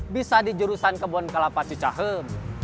bisa di jurusan kebun kelapa cucahem